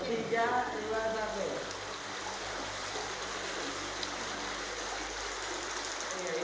ini kita ada di zona gelap abadi